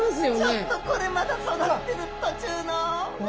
ちょっとこれまだ育ってる途中の！